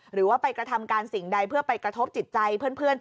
หรือว่าไปกระทำการสิ่งใดเพื่อไปกระทบจิตใจเพื่อน